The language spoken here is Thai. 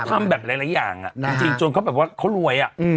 ทำแบบหลายอย่างจริงจนเขาแบบว่าเขารวย